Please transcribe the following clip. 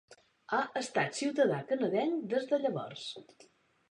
Ha estat ciutadà canadenc des de llavors.